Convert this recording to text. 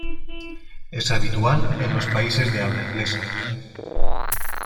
Es habitual en los países de habla inglesa.